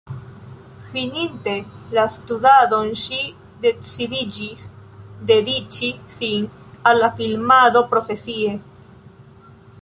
Fininte la studadon ŝi decidiĝis dediĉi sin al la filmado profesie.